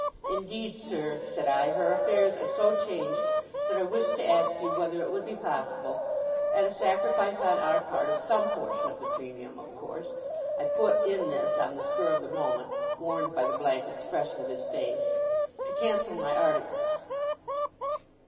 'Indeed, sir,' said I, 'her affairs are so changed, that I wished to ask you whether it would be possible at a sacrifice on our part of some portion of the premium, of course,' I put in this, on the spur of the moment, warned by the blank expression of his face 'to cancel my articles?